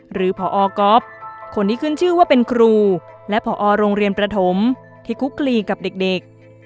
ผอกคนที่ขึ้นชื่อว่าเป็นครูและผอโรงเรียนประถมที่คุกคลีกับเด็ก